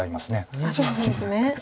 そうなんですね。